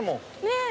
ねえ。